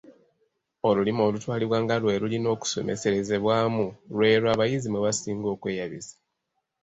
Olulimi olutwalibwa nga lwe lulina okusomeserezebwamu lw’elwo abayizi mwe basinga okweyabiza.